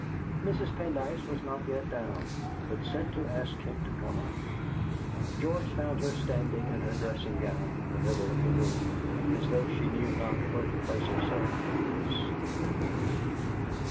Mrs. Pendyce was not yet down, but sent to ask him to come up. George found her standing in her dressing gown in the middle of the room, as though she knew not where to place herself for this, their meeting.